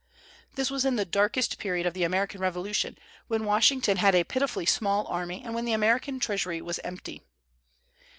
This was in the darkest period of the American Revolution, when Washington had a pitifully small army, and when the American treasury was empty.